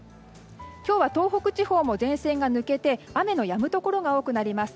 今日は東北地方も前線が抜けて雨のやむところが多くなります。